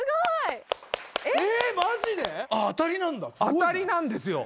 当たりなんですよ